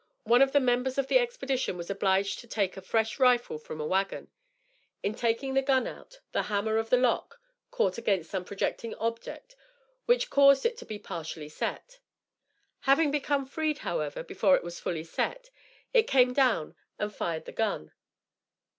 One of the members of the expedition was obliged to take a fresh rifle from a wagon. In taking the gun out, the hammer of the lock caught against some projecting object, which caused it to be partially set. Having become freed, however, before it was fully set, it came down and fired the gun.